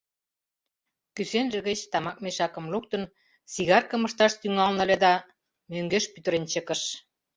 Кӱсенже гыч тамак мешакым луктын, сигаркым ышташ тӱҥалын ыле да мӧҥгеш пӱтырен чыкыш.